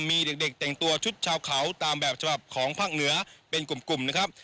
มีเด็กแต่งตัวชุดชาวเขาตามแบบฉบับของภาคเหนือเป็นกลุ่มนะครับ